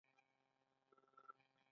ميوه د تخم ساتلو لپاره غوښه لري